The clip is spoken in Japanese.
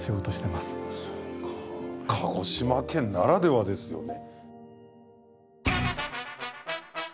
鹿児島県ならではですよね。